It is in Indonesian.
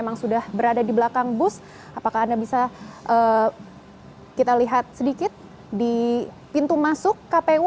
memang sudah berada di belakang bus apakah anda bisa kita lihat sedikit di pintu masuk kpu